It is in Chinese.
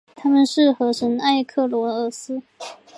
她们是河神埃克罗厄斯。